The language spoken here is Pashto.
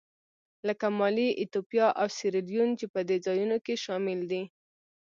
لکه مالي، ایتوپیا او سیریلیون چې په دې ځایونو کې شامل دي.